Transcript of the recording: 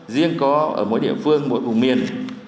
riêng có ở mỗi địa phương mỗi vùng miền